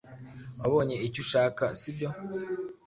Wabonye icyo ushaka, sibyo?